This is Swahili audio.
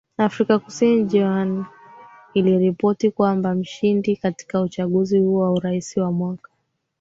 Afrika Kusini Johann Kriegler iliripoti kwamba mshindi katika uchaguzi huo wa urais wa mwaka